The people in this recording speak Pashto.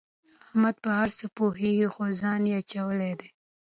احمد په هر څه پوهېږي خو ځان یې اچولی دی.